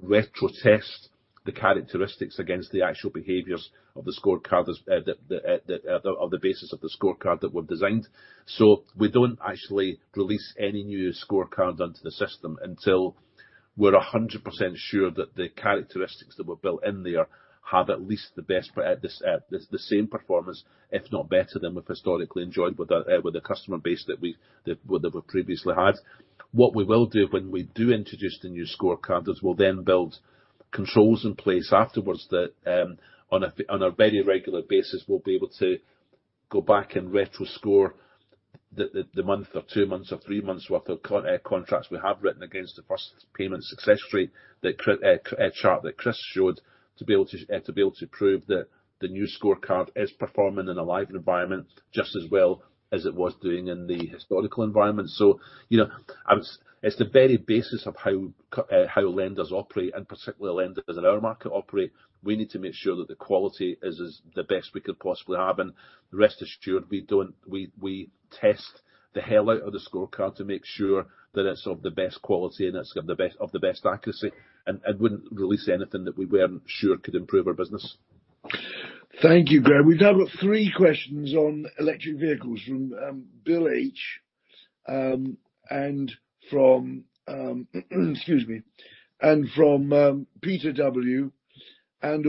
retest the characteristics against the actual behaviors of the scorecard as the basis of the scorecard that we've designed. We don't actually release any new scorecard onto the system until we're 100% sure that the characteristics that were built in there have at least the same performance, if not better than we've historically enjoyed with the customer base that we previously had. What we will do when we do introduce the new scorecards, we'll then build controls in place afterwards that, on a very regular basis, we'll be able to go back and retro score the month or two months or three months worth of contracts we have written against the first payment success rate that a chart that Chris showed to be able to prove that the new scorecard is performing in a live environment just as well as it was doing in the historical environment. You know, it's the very basis of how lenders operate, and particularly lenders in our market operate. We need to make sure that the quality is as the best we could possibly have, and the rest is stewardship. We don't... We test the hell out of the scorecard to make sure that it's of the best quality and it's of the best accuracy. I wouldn't release anything that we weren't sure could improve our business.
Thank you, Graham. We've now got three questions on electric vehicles from Bill H, Peter W, and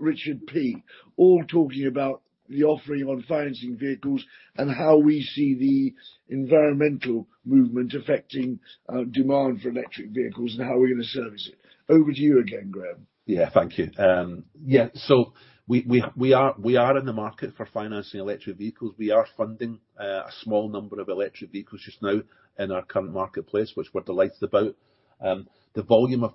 Richard P. All talking about the offering on financing vehicles and how we see the environmental movement affecting demand for electric vehicles and how we're gonna service it. Over to you again, Graham.
Yeah. Thank you. We are in the market for financing electric vehicles. We are funding a small number of electric vehicles just now in our current marketplace, which we're delighted about. The volume of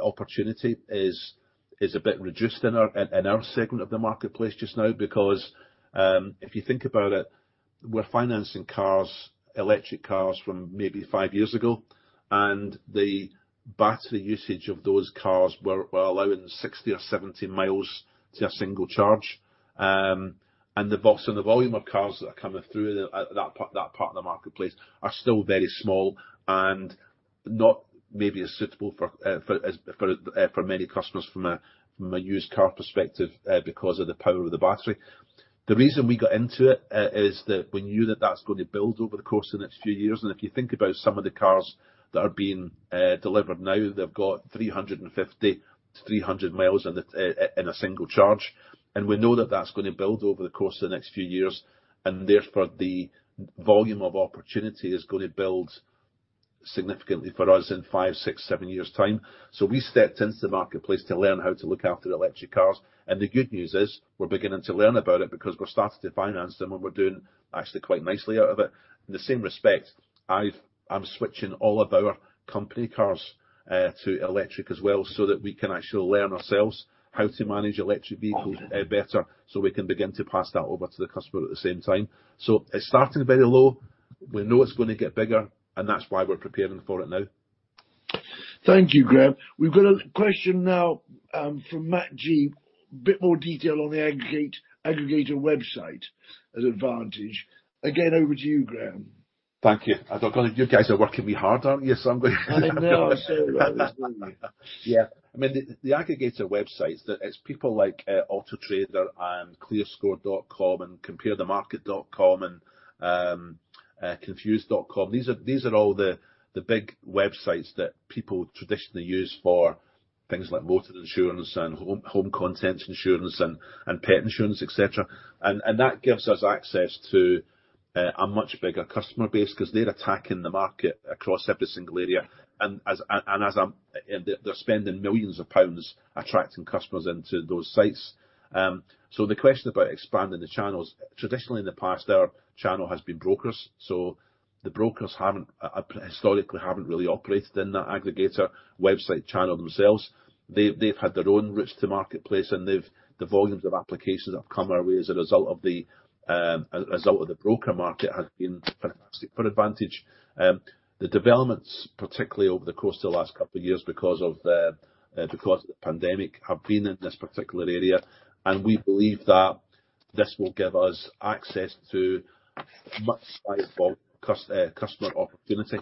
opportunity is a bit reduced in our segment of the marketplace just now because if you think about it, we're financing cars, electric cars from maybe five years ago, and the battery usage of those cars were allowing 60 mi or 70 mi to a single charge. The volume of cars that are coming through that part of the marketplace are still very small and not maybe as suitable for as many customers from a used car perspective because of the power of the battery. The reason we got into it is that we knew that that's gonna build over the course of the next few years. If you think about some of the cars that are being delivered now, they've got 350 mi, 300 mi in a single charge, and we know that that's gonna build over the course of the next few years, and therefore the volume of opportunity is gonna build significantly for us in five, six, seven years' time. We stepped into the marketplace to learn how to look after electric cars. The good news is we're beginning to learn about it because we're starting to finance them, and we're doing actually quite nicely out of it. In the same respect, I'm switching all of our company cars to electric as well so that we can actually learn ourselves how to manage electric vehicles better, so we can begin to pass that over to the customer at the same time. It's starting very low. We know it's gonna get bigger, and that's why we're preparing for it now.
Thank you, Graham. We've got a question now, from Matt G. A bit more detail on the aggregator website at Advantage. Again, over to you, Graham.
Thank you. I don't know, you guys are working me hard, aren't you, somebody?
I know.
Yeah. I mean, the aggregator websites. It's people like Auto Trader and ClearScore.com and Comparethemarket.com and Confused.com. These are all the big websites that people traditionally use for things like motor insurance and home contents insurance and pet insurance, et cetera. That gives us access to a much bigger customer base 'cause they're attacking the market across every single area and they're spending millions of pounds attracting customers into those sites. The question about expanding the channels, traditionally in the past, our channel has been brokers. The brokers haven't historically really operated in that aggregator website channel themselves. They've had their own routes to marketplace and they've... The volumes of applications that have come our way as a result of the broker market has been fantastic for Advantage. The developments, particularly over the course of the last couple of years because of the pandemic, have been in this particular area, and we believe that this will give us access to much wider customer opportunity.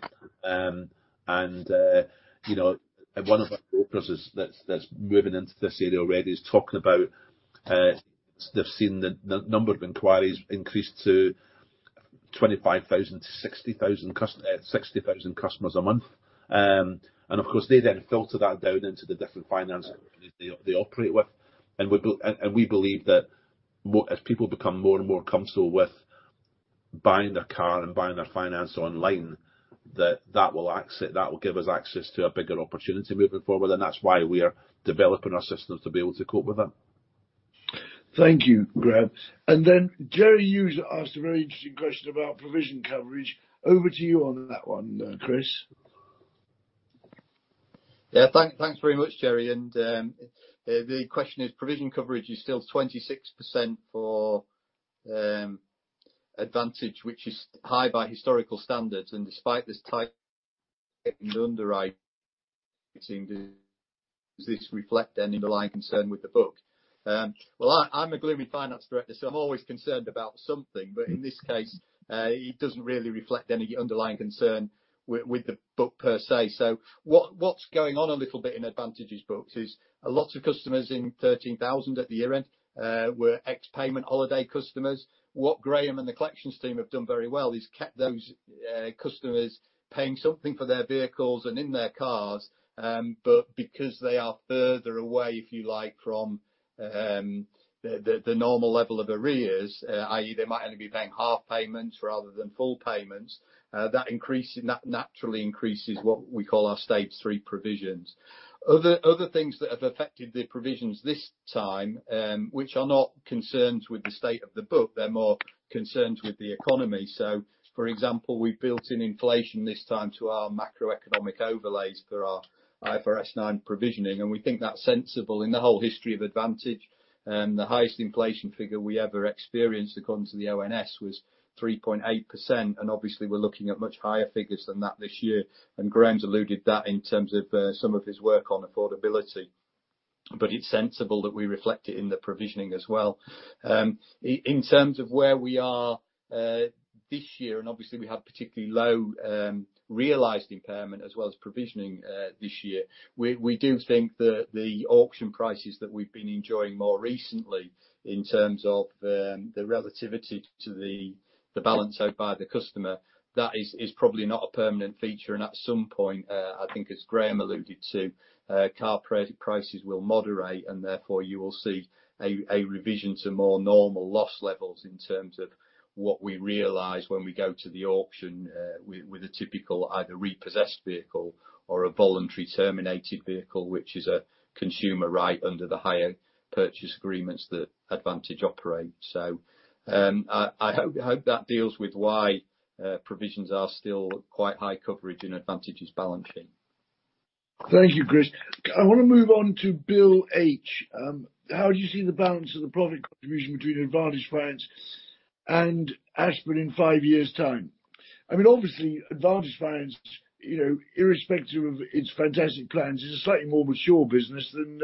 You know, one of our brokers that's moving into this area already is talking about they've seen the number of inquiries increase to 25,000-60,000 customers a month. Of course, they then filter that down into the different finance companies they operate with. We believe that more as people become more and more comfortable with buying their car and buying their finance online, that will give us access to a bigger opportunity moving forward, and that's why we are developing our systems to be able to cope with them.
Thank you, Graham. Jerry Hughes asked a very interesting question about provision coverage. Over to you on that one, Chris.
Thanks very much, Jerry. The question is provision coverage is still 26% for Advantage, which is high by historical standards, and despite this tight underwriting, does this reflect any underlying concern with the book? Well, I'm a gloomy Finance Director, so I'm always concerned about something. In this case, it doesn't really reflect any underlying concern with the book per se. What's going on a little bit in Advantage's books is lots of customers, 13,000 at the year-end, were ex-payment holiday customers. What Graham and the collections team have done very well is kept those customers paying something for their vehicles and in their car, but because they are further away, if you like, from the normal level of arrears, i.e., they might only be paying half payments rather than full payments, that naturally increases what we call our stage three provisions. Other things that have affected the provisions this time, which are not concerned with the state of the book, they're more concerned with the economy. For example, we've built in inflation this time to our macroeconomic overlays for our IFRS 9 provisioning, and we think that's sensible. In the whole history of Advantage, the highest inflation figure we ever experienced according to the ONS was 3.8%, and obviously we're looking at much higher figures than that this year. Graham's alluded that in terms of some of his work on affordability. It's sensible that we reflect it in the provisioning as well. In terms of where we are this year, and obviously we have particularly low realized impairment as well as provisioning this year. We do think that the auction prices that we've been enjoying more recently in terms of the relativity to the balance owed by the customer, that is probably not a permanent feature, and at some point, I think as Graham alluded to, car prices will moderate and therefore you will see a revision to more normal loss levels in terms of what we realize when we go to the auction with a typical either repossessed vehicle or a voluntary terminated vehicle, which is a consumer right under the hire purchase agreements that Advantage operate. So, I hope that deals with why provisions are still quite high coverage in Advantage's balance sheet.
Thank you, Chris. I wanna move on to Bill H. How do you see the balance of the profit contribution between Advantage Finance and Aspen in five years' time? I mean, obviously, Advantage Finance, you know, irrespective of its fantastic plans, is a slightly more mature business than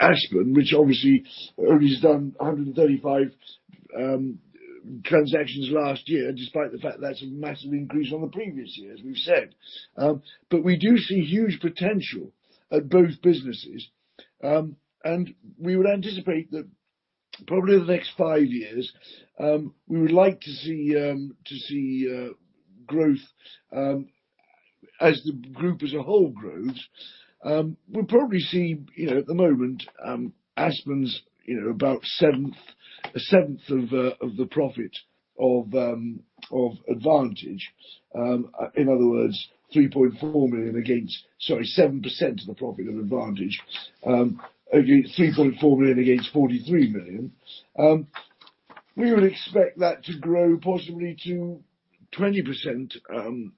Aspen, which obviously has done 135 transactions last year, despite the fact that's a massive increase on the previous year, as we've said. We do see huge potential at both businesses. We would anticipate that probably over the next five years, we would like to see growth as the group as a whole grows. We'll probably see. You know, at the moment, Aspen's, you know, about a seventh of the profit of Advantage. In other words, 3.4 million against 7% of the profit of Advantage, against 3.4 million against 43 million. We would expect that to grow possibly to 20%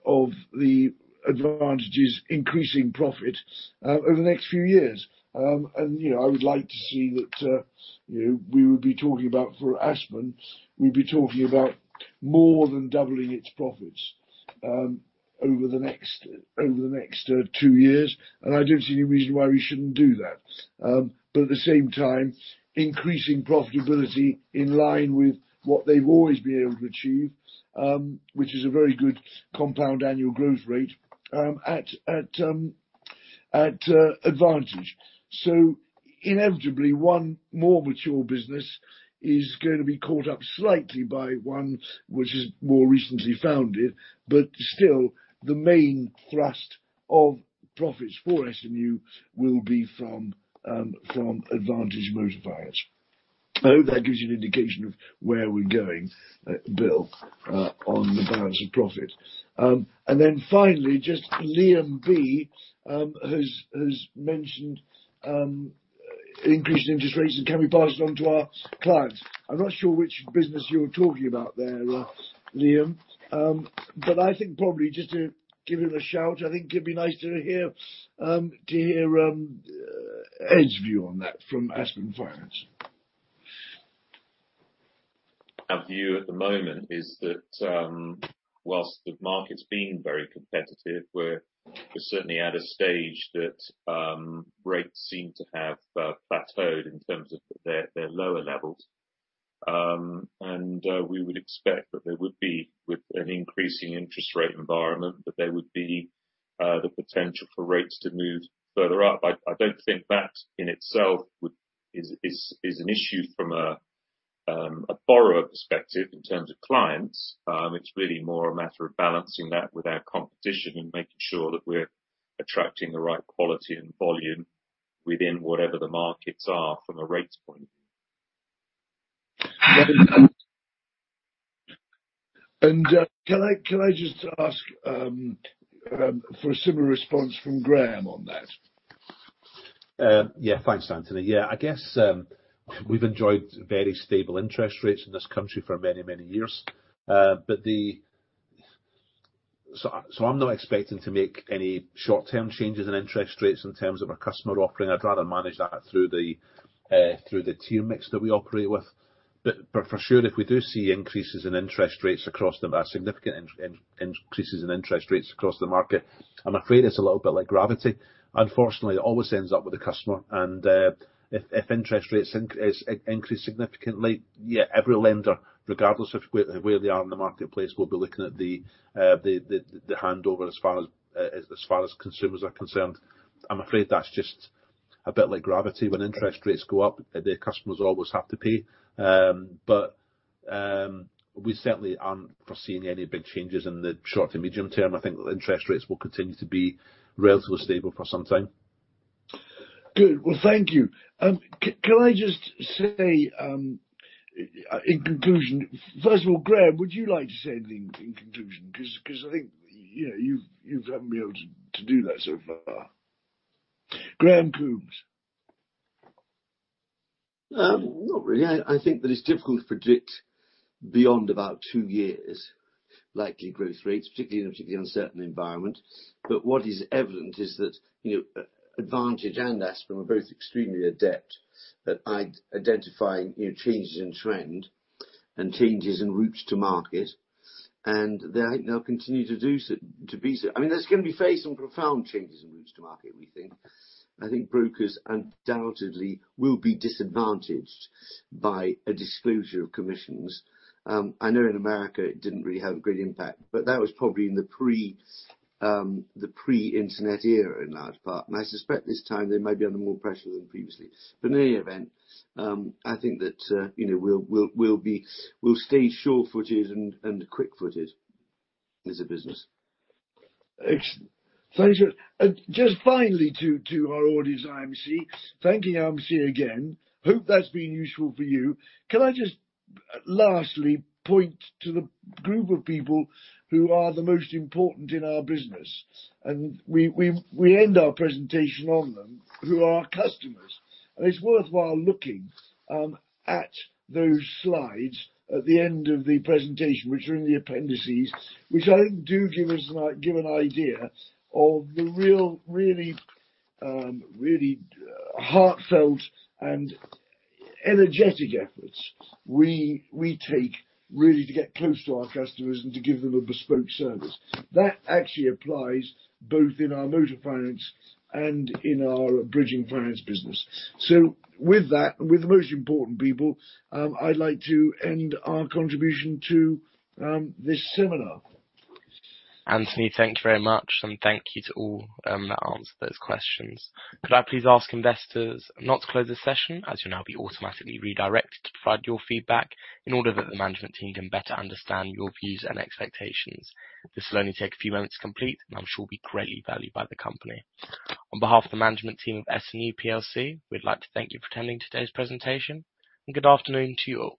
of the Advantage's increasing profit over the next few years. You know, I would like to see that. You know, we would be talking about for Aspen, we'd be talking about more than doubling its profits over the next two years. I don't see any reason why we shouldn't do that. But at the same time, increasing profitability in line with what they've always been able to achieve, which is a very good compound annual growth rate at Advantage. Inevitably, one more mature business is gonna be caught up slightly by one which is more recently founded, but still the main thrust of profits for S&U will be from Advantage Motor Finance. I hope that gives you an indication of where we're going, Bill, on the balance of profit. Finally, just Liam B has mentioned increasing interest rates and can we pass it on to our clients. I'm not sure which business you're talking about there, Liam. But I think probably just to give him a shout, I think it'd be nice to hear Ed's view on that from Aspen Bridging.
Our view at the moment is that, whilst the market's been very competitive, we're certainly at a stage that rates seem to have plateaued in terms of their lower levels. We would expect that there would be, with an increasing interest rate environment, the potential for rates to move further up. I don't think that in itself is an issue from a borrower perspective in terms of clients. It's really more a matter of balancing that with our competition and making sure that we're attracting the right quality and volume within whatever the markets are from a rates point of view.
Can I just ask for a similar response from Graham on that?
Yeah. Thanks, Anthony. Yeah, I guess we've enjoyed very stable interest rates in this country for many, many years. I'm not expecting to make any short-term changes in interest rates in terms of our customer offering. I'd rather manage that through the tier mix that we operate with. For sure, if we do see increases in interest rates across the significant increases in interest rates across the market, I'm afraid it's a little bit like gravity. Unfortunately, it always ends up with the customer. If interest rates increased significantly, yeah, every lender, regardless of where they are in the marketplace, will be looking at the handover as far as consumers are concerned. I'm afraid that's just a bit like gravity. When interest rates go up, the customers always have to pay. We certainly aren't foreseeing any big changes in the short to medium term. I think interest rates will continue to be relatively stable for some time.
Good. Well, thank you. Can I just say in conclusion. First of all, Graham, would you like to say anything in conclusion? Because I think, you know, you've you haven't been able to do that so far. Graham Coombs.
Not really. I think that it's difficult to predict beyond about two years likely growth rates, particularly in an uncertain environment. What is evident is that, you know, Advantage and Aspen are both extremely adept at identifying, you know, changes in trend and changes in routes to market, and they'll continue to do so, to be so. I mean, there's gonna be facing some profound changes in routes to market, we think. I think brokers undoubtedly will be disadvantaged by a disclosure of commissions. I know in America it didn't really have a great impact, but that was probably in the pre-internet era in large part. I suspect this time they may be under more pressure than previously. In any event, I think that, you know, we'll be. We'll stay sure-footed and quick-footed as a business.
Thank you. Just finally to our audience, IMC, thanking IMC again, hope that's been useful for you. Can I just lastly point to the group of people who are the most important in our business, and we end our presentation on them, who are our customers. It's worthwhile looking at those slides at the end of the presentation, which are in the appendices, which I think do give an idea of the really heartfelt and energetic efforts we take really to get close to our customers and to give them a bespoke service. That actually applies both in our Motor Finance and in our bridging finance business. With that, with the most important people, I'd like to end our contribution to this seminar.
Anthony, thank you very much, and thank you to all that answered those questions. Could I please ask investors not to close this session, as you'll now be automatically redirected to provide your feedback in order that the management team can better understand your views and expectations. This will only take a few moments to complete and I'm sure will be greatly valued by the company. On behalf of the management team of S&U plc, we'd like to thank you for attending today's presentation, and good afternoon to you all.